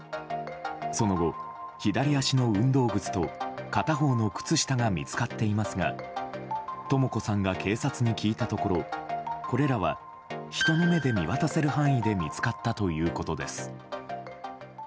その後、左足の運動靴と片方の靴下が見つかっていますがとも子さんが警察に聞いたところこれらは人の目で見渡せる範囲で見つかったということです。